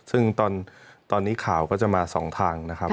ซึ่งตอนนี้ข่าวก็จะมา๒ทางนะครับ